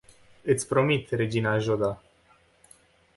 Iti promit, regina Jodha.